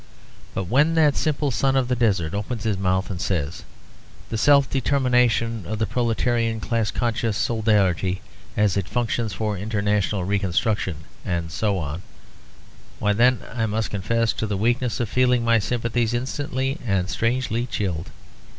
But when that simple son of the desert opens his mouth and says, "The self determination of proletarian class conscious solidarity as it functions for international reconstruction," and so on, why then I must confess to the weakness of feeling my sympathies instantly and strangely chilled.